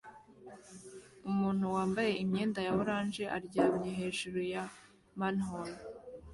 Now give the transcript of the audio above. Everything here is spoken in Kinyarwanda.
Umuntu wambaye imyenda ya orange aryamye hejuru ya manhole